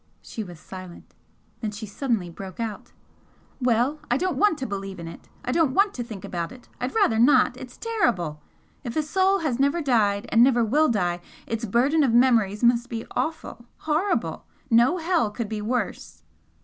She was silent. Then she suddenly broke out. "Well, I don't want to believe in it! I don't want to think about it! I'd rather not! It's terrible! If a soul has never died and never will die, its burden of memories must be awful! horrible! no hell could be worse!"